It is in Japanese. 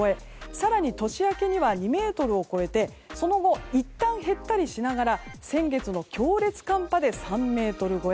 更に年明けには２ｍを超えてその後いったん減ったりしながら先月の強烈寒波で３ｍ超え。